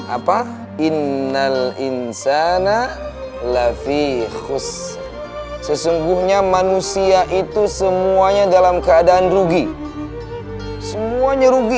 apa innal insana lafee khusus sesungguhnya manusia itu semuanya dalam keadaan rugi semuanya rugi